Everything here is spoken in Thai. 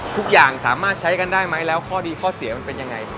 ทุกอย่างสามารถใช้กันได้ไหมแล้วข้อดีข้อเสียมันเป็นยังไง